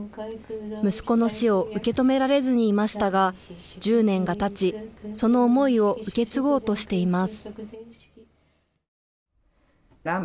息子の死を受け止められずにいましたが１０年がたち、その思いを受け継ごうとしています。